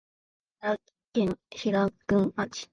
奈良県平群町